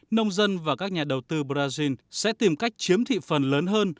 nông dân và các nhà đầu tư brazil sẽ tìm cách chiếm thị phần lớn hơn